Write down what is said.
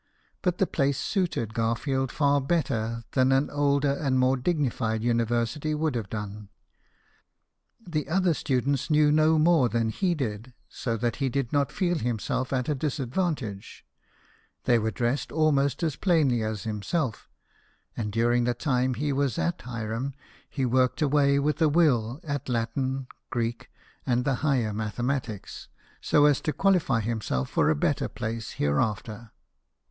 But the place suited Garfield far better than an older and more dignified university would have done. The other students knew no more than he did, so that he did not feel himself at a disadvantage ; they were dressed almost as plainly as himself; and during the time he was at Hiram he worked away with a will at Latin, Greek, and the higher mathematics, so as to qualify himself for a better place hereafter.